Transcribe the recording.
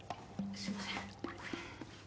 すいません。